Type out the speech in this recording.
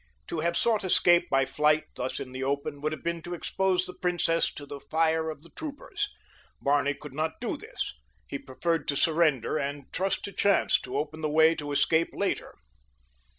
To have sought escape by flight, thus in the open, would have been to expose the princess to the fire of the troopers. Barney could not do this. He preferred to surrender and trust to chance to open the way to escape later.